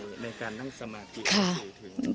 ในการนั่งสมาธิสื่อถึง